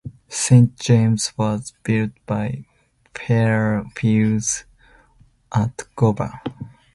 "Saint James" was built by Fairfields at Govan.